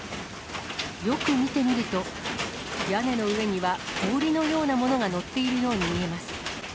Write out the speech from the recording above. よく見てみると、屋根の上には氷のようなものが載っているように見えます。